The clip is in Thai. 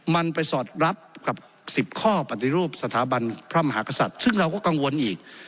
มันไปสอดรับกับ๑๐ข้อปฏิรูปสถาบันพระมหากษัตริย์ซึ่งเราก็กังวลอีก